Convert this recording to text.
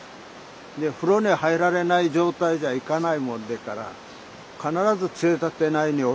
で風呂に入られない状態じゃいかないもんでから必ず杖立内におるんですよね。